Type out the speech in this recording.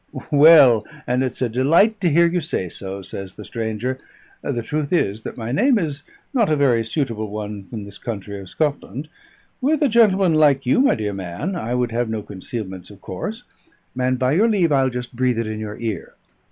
"Well, and it's a delight to hear you say so," says the stranger. "The truth is, that my name is not a very suitable one in this country of Scotland. With a gentleman like you, my dear man, I would have no concealments of course; and by your leave I'll just breathe it in your ear.